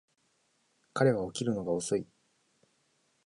彼は起きるのが遅い